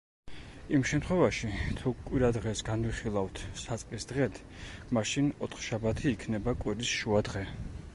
იმ შემთხვევაში, თუ კვირადღეს განვიხილავთ საწყის დღედ, მაშინ ოთხშაბათი იქნება კვირის შუა დღე.